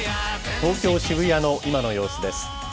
東京・渋谷の今の様子です。